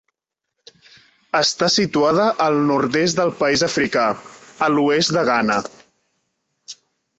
Està situada al nord-est del país africà, a l'oest de Ghana.